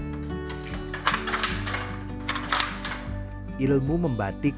ilmu membatik dan menenun alat tenun bukan mesin